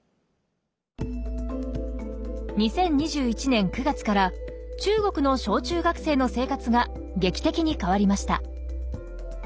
２０２１年９月から中国の小中学生の生活が劇的に変わりました。